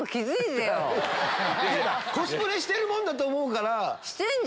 コスプレしてるもんだと思うから。